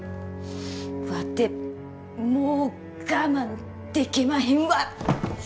ワテもう我慢でけまへんわ！